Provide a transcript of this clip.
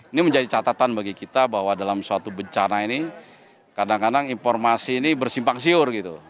ini menjadi catatan bagi kita bahwa dalam suatu bencana ini kadang kadang informasi ini bersimpang siur gitu